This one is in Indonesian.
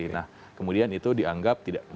nah kemudian itu dianggap tidak